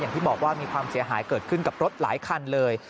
อย่างที่บอกว่ามีความเสียหายเกิดขึ้นกับรถหลายคันเลย